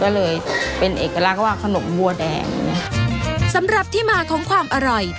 ก็เลยเป็นเอกลักษณ์ว่าขนมบัวแดงสำหรับที่มาของความอร่อย